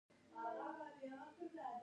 جرګه د شخړو د حل دودیزه لاره ده.